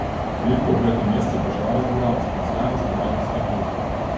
Плітка ў гэтым месцы пачала разбурацца пасля раставання снягоў.